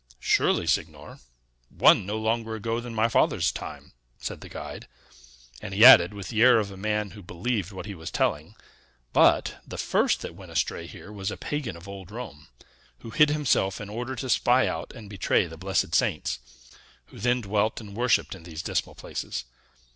"Surely, signor; one, no longer ago than my father's time," said the guide; and he added, with the air of a man who believed what he was telling, "but the first that went astray here was a pagan of old Rome, who hid himself in order to spy out and betray the blessed saints, who then dwelt and worshipped in these dismal places.